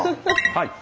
はい。